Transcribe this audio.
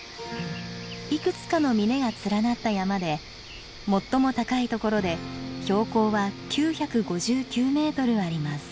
いくつかの峰が連なった山で最も高い所で標高は９５９メートルあります。